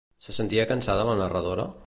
Se sentia cansada la narradora?